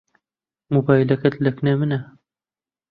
مۆبایلەکەت لەکن منە.